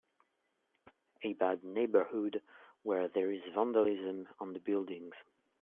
a bad neighbor hood were there is vandalism on the buildings